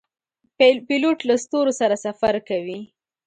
پیلوټ له ستورو سره سفر کوي.